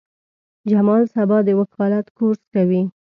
جمال سبا د وکالت کورس کوي.